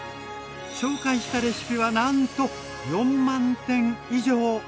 紹介したレシピはなんと４万点以上！